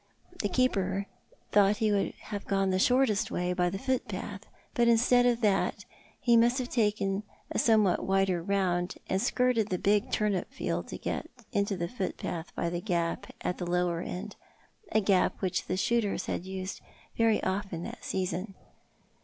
The keeper thought ho would have gone the shortest way, by the footpath — but instead of that he must have taken a somewhat wider round, and skirted the big turnip field to get into the footjiath by the gap at the lower end— a gap which tho shooters had used very often that season.